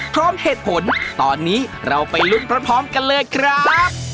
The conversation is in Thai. พร้อมเหตุผลตอนนี้เราไปลุ้นพร้อมกันเลยครับ